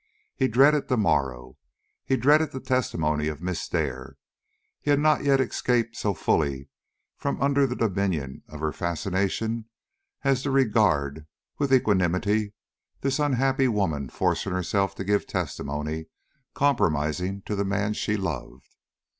He dreaded the morrow. He dreaded the testimony of Miss Dare. He had not yet escaped so fully from under the dominion of her fascinations as to regard with equanimity this unhappy woman forcing herself to give testimony compromising to the man she loved.